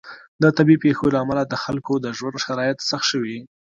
د طبیعي پیښو له امله د خلکو د ژوند شرایط سخت شوي.